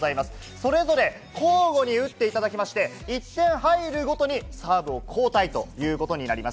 それぞれ交互に打っていただきまして、１点入るごとにサーブを交代ということになります。